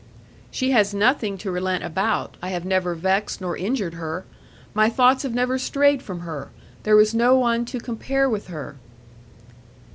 'She has nothing to relent about. I have never vexed nor injured her. My thoughts have never strayed from her. There is no one to compare with her.'